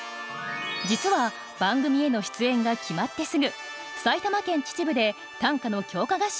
実は番組への出演が決まってすぐ埼玉県秩父で短歌の強化